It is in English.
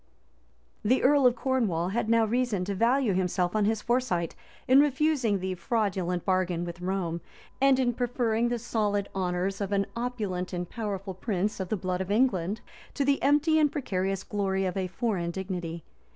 The earl of Cornwall had now reason to value himself on his foresight, in refusing the fraudulent bargain with Rome, and in preferring the solid honors of an opulent and powerful prince of the blood of England, to the empty and precarious glory of a foreign dignity.